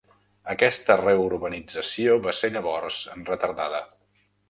Aquesta reurbanització va ser llavors retardada.